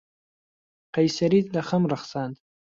قەیسەریت لە خەم ڕەخساند.